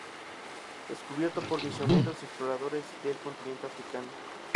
Descubierto por misioneros y exploradores del continente africano.